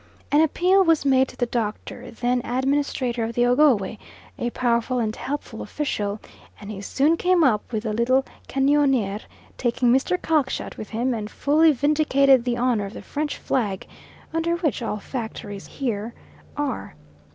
An appeal was made to the Doctor then Administrator of the Ogowe, a powerful and helpful official, and he soon came up with the little canoniere, taking Mr. Cockshut with him and fully vindicated the honour of the French flag, under which all factories here are.